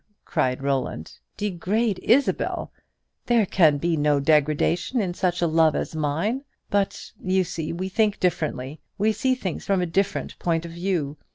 cried Roland; "degrade Isabel! There can be no degradation in such a love as mine. But, you see, we think differently, we see things from a different point of view.